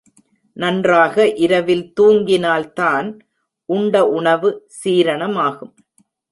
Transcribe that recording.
நன்றாக இரவில் தூங்கினால்தான் உண்ட உணவு சீரணமாகும்.